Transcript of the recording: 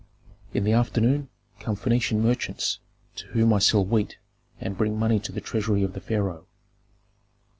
"In the afternoon come Phœnician merchants, to whom I sell wheat and bring money to the treasury of the pharaoh.